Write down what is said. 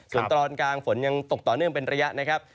ส่วนตอนกลางฝนยังตกต่อเนื่องเป็นระยะนะครับ